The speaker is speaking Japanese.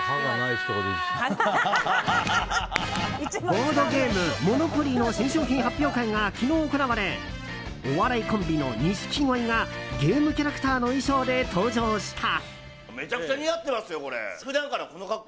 ボードゲーム「モノポリー」の新商品発表会が昨日行われお笑いコンビの錦鯉がゲームキャラクターの衣装で登場した。